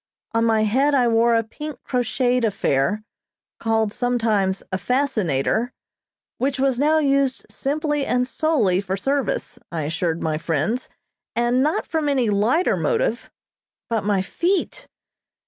On my head I wore a pink crocheted affair, called sometimes a "fascinator," which was now used simply and solely for service, I assured my friends, and not from any lighter motive, but my feet!